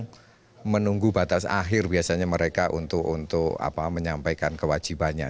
jadi kita kurang menunggu batas akhir biasanya mereka untuk menyampaikan kewajibannya